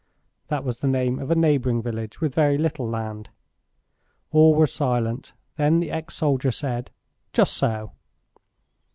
(That was the name of a neighbouring village with very little land.) All were silent. Then the ex soldier said, "Just so."